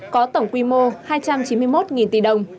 có tổng quy mô hai trăm chín mươi một tỷ đồng